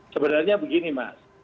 sebenarnya begini mas